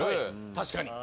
確かに。